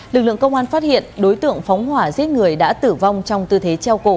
lực lượng công an phát hiện đối tượng phóng hỏa giết người đã tử vong trong tư thế treo cổ